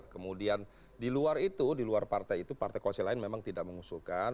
kemudian di luar itu di luar partai itu partai koalisi lain memang tidak mengusulkan